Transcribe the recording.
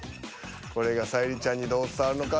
これが沙莉ちゃんにどう伝わるのか。